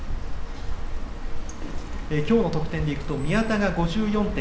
きょうの得点でいくと宮田が５４．５３２